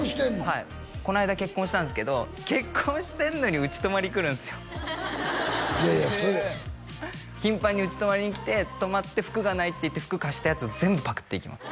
はいこの間結婚したんですけど結婚してんのに家泊まりに来るんすよいやいやそれ頻繁に家泊まりに来て泊まって「服がない」って言って服貸したやつを全部パクっていきます